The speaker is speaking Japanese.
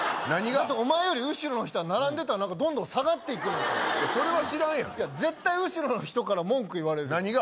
だってお前より後ろの人は並んでたらどんどん下がっていくねんからそれは知らんやん絶対後ろの人から文句言われる何が？